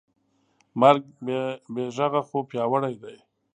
مرګ بېغږه خو پیاوړی دی.